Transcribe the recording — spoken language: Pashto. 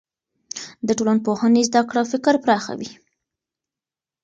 د ټولنپوهنې زده کړه فکر پراخوي.